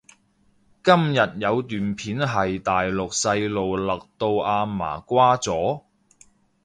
今日有段片係大陸細路勒到阿嫲瓜咗？